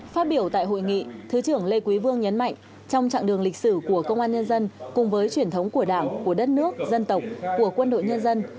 phát biểu tại hội nghị thứ trưởng lê quý vương nhấn mạnh trong chặng đường lịch sử của công an nhân dân cùng với truyền thống của đảng của đất nước dân tộc của quân đội nhân dân